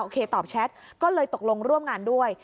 ตอบแชทก็เลยตกลงร่วมงานด้วย